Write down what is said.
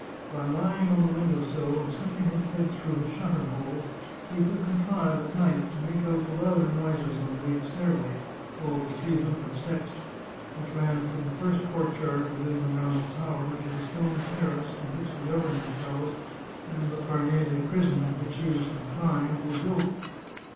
By lying on the window sill and slipping his head through his shutter hole, he could contrive, at night, to make out the louder noises on the great stairway, called the " Three Hundred Steps," which ran from the first courtyard within the Round Tower to the stone terrace on which the governor's palace and the Farnese Prison, in which he was confined, were built.